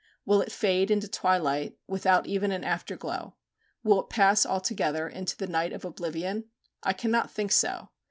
Will it fade into twilight, without even an after glow; will it pass altogether into the night of oblivion? I cannot think so.